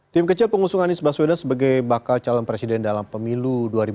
tim kecil pengusung anies baswedan sebagai bakal calon presiden dalam pemilu dua ribu dua puluh